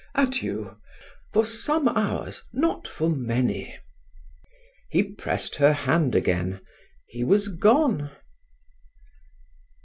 Adieu; for some hours not for many!" He pressed her hand again. He was gone.